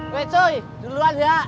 wey coy duluan ya